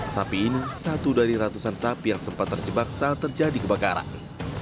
sapi ini satu dari ratusan sapi yang sempat terjebak saat terjadi kebakaran